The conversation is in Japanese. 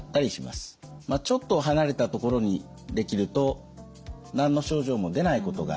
まあちょっと離れたところにできると何の症状も出ないことがあります。